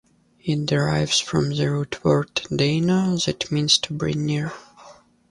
It derives from the root word "dana" that means to bring near.